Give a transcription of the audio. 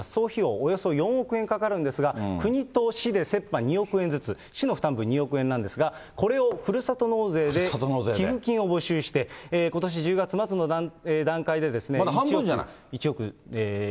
およそ４億円かかるんですが、国と市で折半２億円ずつ、市の負担分２億円なんですが、これをふるさと納税で寄付金を募集して、まだ半分じゃない。